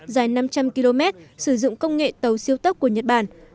dài năm trăm linh km sử dụng công nghệ tàu siêu tốc của nhật bản